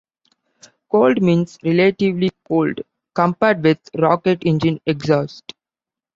"Cold" means "relatively" cold compared with rocket engine exhaust.